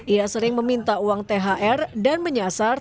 ia sering meminta uang thr dan menyasar